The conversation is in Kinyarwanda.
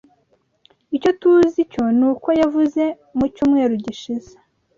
Icyo TUZI cyo ni uko yavuye mu cyumweru gishize.